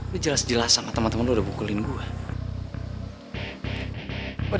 lu jelas jelas sama temen temen lu udah bukulin gue